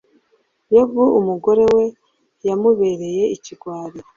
yobu umugore we yamubereye ikigwari